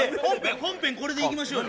本編、これでいきましょうよ。